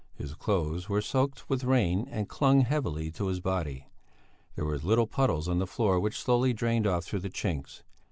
His clothes were soaked with rain and clung heavily to his body; there were little puddles on the floor which slowly drained off through the chinks.